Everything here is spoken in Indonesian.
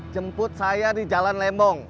jemput saya di jalan lembong